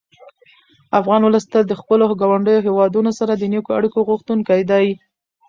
افغان ولس تل د خپلو ګاونډیو هېوادونو سره د نېکو اړیکو غوښتونکی دی.